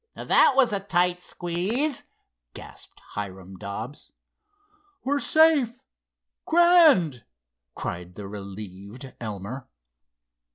"That was a tight squeeze," gasped Hiram Dobbs. "We're safe—grand!" cried the relieved Elmer.